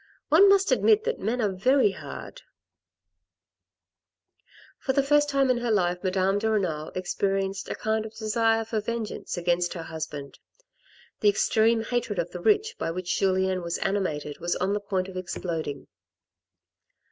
One must admit that men are very hard." AN EVENING IN THE COUNTRY 59 For the first time in her life Madame de Renal experienced a kind of desire for vengeance against her husband. The extreme hatred of the rich by which Julien was animated was on the point of exploding.